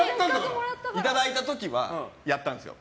いただいた時はやったんですよ。